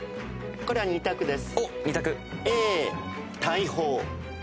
これは２択です。